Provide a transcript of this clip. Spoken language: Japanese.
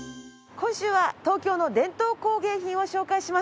今週は東京の伝統工芸品を紹介します。